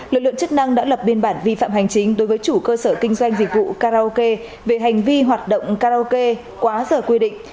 lực lượng chức năng đã lập biên bản vi phạm hành chính đối với chủ cơ sở kinh doanh dịch vụ karaoke về hành vi hoạt động karaoke quá giờ quy định